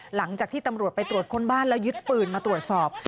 หลังจากที่ตำรวจไปตรวจค้นบ้านแล้วยึดปืนมาตรวจสอบ